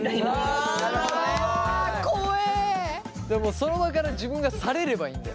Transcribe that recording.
その場から自分が去れればいいんだよ。